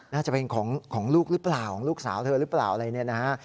น่าจะเป็นของลูกหรือเปล่าของลูกสาวเธอหรือเปล่าอะไรเนี่ยนะฮะ